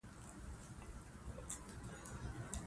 وروري خپله ده.